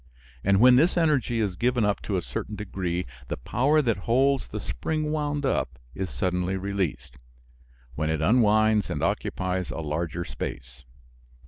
And when this energy is given up to a certain degree the power that holds the spring wound up is suddenly released, when it unwinds and occupies a larger space.